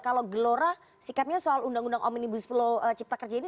kalau gelora sikapnya soal undang undang omnibus law cipta kerja ini